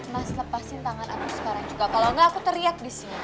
mas lepasin tangan aku sekarang juga kalau nggak aku teriak di sini